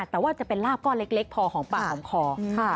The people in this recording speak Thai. แต่ว่าจะเป็นลาบก้อนเล็กพอหอมปากหอมคอ